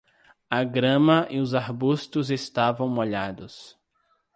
A grama e os arbustos estavam molhados.